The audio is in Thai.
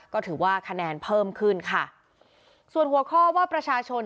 ก็ถือว่าคะแนนเพิ่มขึ้นค่ะส่วนหัวข้อว่าประชาชน